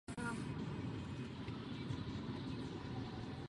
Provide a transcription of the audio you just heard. Musíme chránit právo všech na přirozené, zdravé potraviny.